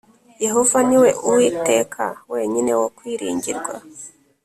Yehova niwe Uwiteka wenyine wo kwiringirwa